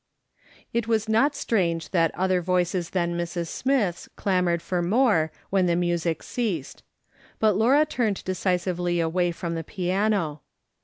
It was not strange that other voices than Mrs. Smith's clamoured for more when the music ceased. But Laura turned decisively away from the piano.